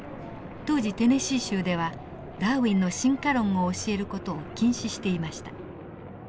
当時テネシー州ではダーウィンの進化論を教える事を禁止していました。